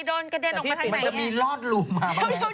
ไปโดนกระเดนคลั่งไปทั้งหมายมันจะมีลอสรูปมา